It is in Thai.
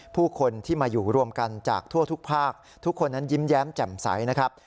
ผู้คนที่มาอยู่รวมกันจากทั่วทุกภาคทุกคนนั้นยิ้มแย้มแจ่มใสนะครับ